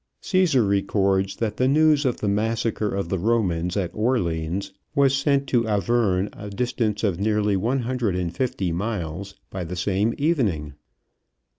Cæsar records that the news of the massacre of the Romans at Orleans was sent to Auvergne, a distance of nearly one hundred and fifty miles, by the same evening.